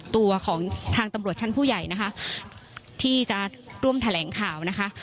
ตัวของทางตำรวจชั้นผู้ใหญ่นะคะที่จะร่วมแถลงข่าวนะคะ